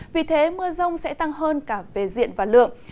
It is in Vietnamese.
vì thế mưa rông sẽ tăng hơn cả về diện và lượng